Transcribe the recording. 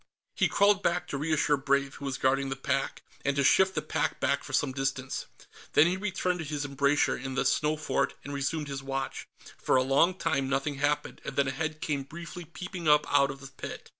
He crawled back to reassure Brave, who was guarding the pack, and to shift the pack back for some distance. Then he returned to his embrasure in the snow fort and resumed his watch. For a long time, nothing happened, and then a head came briefly peeping up out of the pit.